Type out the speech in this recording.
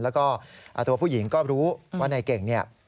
แล้วก็ตัวผู้หญิงก็รู้ว่านายเก่งเนี่ย